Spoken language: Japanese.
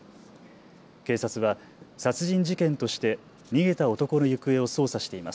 警察は殺人事件として逃げた男の行方を捜査しています。